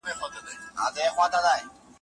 روح د ستر خوشال په قبر کې نارام شي